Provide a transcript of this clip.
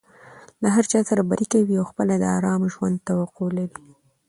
له هرچا سره بدي کوى او خپله د آرام ژوند توقع لري.